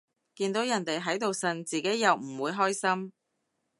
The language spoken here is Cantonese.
見到人哋喺度呻，自己又唔會開心